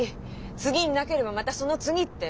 次になければまたその次って。